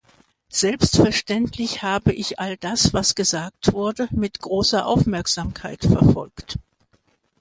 Selbstverständlich habe ich all das, was gesagt wurde, mit großer Aufmerksamkeit verfolgt.